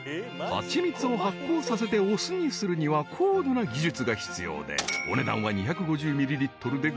［蜂蜜を発酵させてお酢にするには高度な技術が必要でお値段は２５０ミリリットルで］